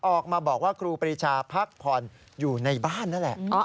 ออกมาบอกว่าครูปรีชาพักผ่อนอยู่ในบ้านนั่นแหละ